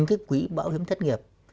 cái quỹ bảo hiểm thất nghiệp